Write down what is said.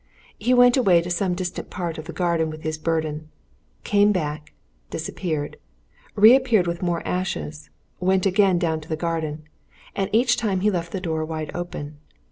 He went away to some distant part of the garden with his burden; came back, disappeared; re appeared with more ashes; went again down the garden. And each time he left the door wide open.